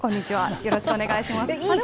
よろしくお願いします。